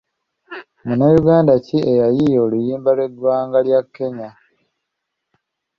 Munnayuganda ki eyayiiya oluyimba lw'eggwanga ly'e Kenya?